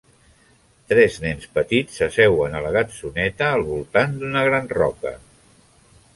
Tres nens petits s'asseuen a la gatzoneta al voltant d'una gran roca.